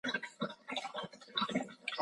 کورنیو شخړو او صیهیونېستي بلوسنو لوټلی.